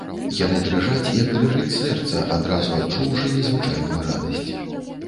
Яны дрыжаць, як дрыжыць сэрца, адразу адчуўшы незвычайную радасць.